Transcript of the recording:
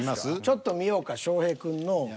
ちょっと見ようか翔平くんの。